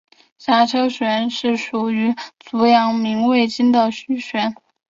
颊车穴是属于足阳明胃经的腧穴。